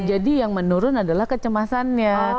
jadi yang menurun adalah kecemasannya